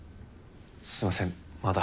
すいませんまだ。